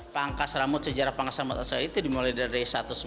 pangkas rambut sejarah pangkas rambut asal itu dimulai dari seribu sembilan ratus tiga puluh